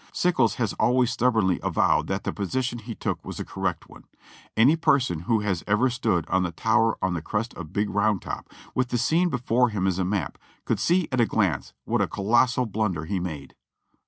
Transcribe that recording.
Sickles has always stubbornly avowed that the position he took was a correct one. Any person w^ho has ever stood on the tower on the crest of Big Round Top, with the scene before him as a map, could see at a glance what a colossal blunder he made.